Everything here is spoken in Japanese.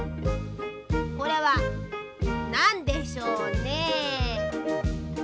これはなんでしょうね。